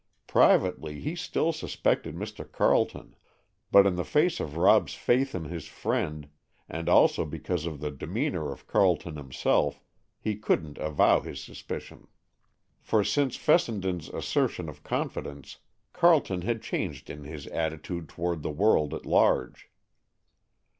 Privately, he still suspected Mr. Carleton, but in the face of Rob's faith in his friend, and also because of the demeanor of Carleton himself, he couldn't avow his suspicions. For since Fessenden's assertions of confidence, Carleton had changed in his attitude toward the world at large.